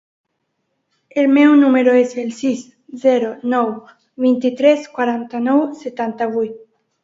El meu número es el sis, zero, nou, vint-i-tres, quaranta-nou, setanta-vuit.